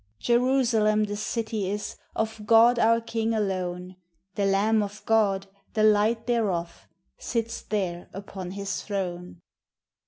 Jerusalem the city is Of God our king alone; The Lamb of God, the light thereof, Sits there upon His throne.